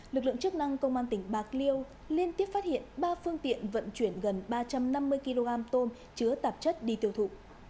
lực lượng chức năng công an tỉnh bạc liêu liên tiếp phát hiện ba phương tiện vận chuyển gần ba trăm năm mươi kg tôm chứa tạp chất đi tiêu thụ